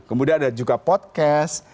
kemudian ada juga podcast